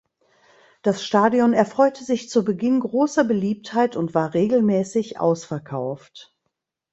Das Stadion erfreute sich zu Beginn großer Beliebtheit und war regelmäßig ausverkauft.